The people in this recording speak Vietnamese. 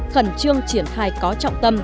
khẩn trương triển thai có trọng tâm